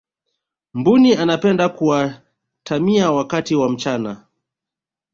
mbuni anapenda kuatamia wakati wa mchana